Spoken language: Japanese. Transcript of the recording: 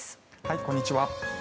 こんにちは。